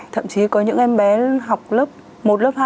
thậm chí có những em bé học lớp một lớp hai